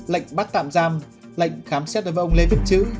lệnh bắt tạm giam lệnh khám xét đối với ông lê viết chữ